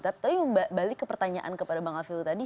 tapi balik ke pertanyaan kepada bang alvil tadi